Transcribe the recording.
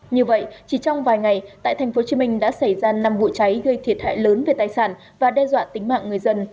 như vậy chỉ trong vài ngày tại tp hcm đã xảy ra năm vụ cháy gây thiệt hại lớn về tài sản và đe dọa tính mạng người dân